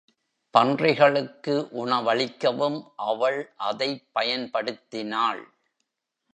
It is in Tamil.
பன்றிகளுக்கு உணவளிக்கவும் அவள் அதைப் பயன்படுத்தினாள்.